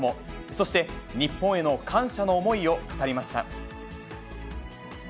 そして日本への感謝の思いを語りました。